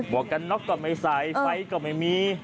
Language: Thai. บอกกันน๊อกก่อนไม่ใส่ไฟก่อนไม่มี